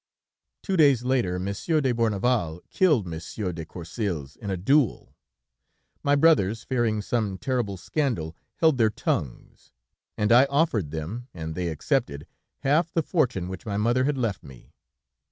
"Two days later Monsieur de Bourneval killed Monsieur de Courcils in a duel. My brothers, fearing some terrible scandal, held their tongues, and I offered them, and they accepted, half the fortune which my mother had left me.